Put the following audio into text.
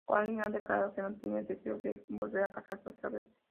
Khalil ha declarado que no tiene deseos de volver a casarse otra vez.